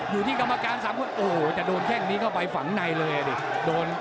อยู่ที่กรรมการ๓คนโอ้โหจะโดนแข้งนี้เข้าไปฝังในเลยอ่ะดิ